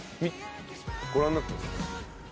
ご覧になってます？